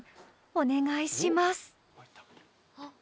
お願いします